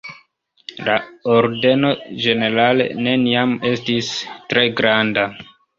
La ordeno ĝenerale neniam estis tre granda.